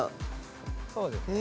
そうですね。